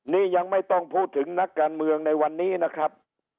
นี่ยังไม่ต้องพูดถึงนักการเมืองในวันนี้นะครับ